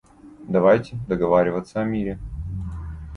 Давайте договариваться о мире.